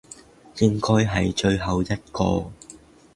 應該係最後一個